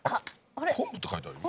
昆布って書いてあるよ。